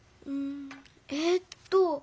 ええっと。